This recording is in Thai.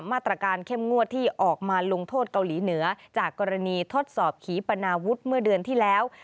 มาตรการเข้มงวดที่ออกมาลงโทษเกาหลีเหนือจากกรณีทดสอบขีปนาวุฒิเมื่อเดือนที่แล้ว